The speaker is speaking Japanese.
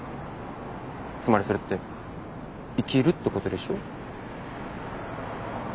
つまりそれって生きるってことでしょ。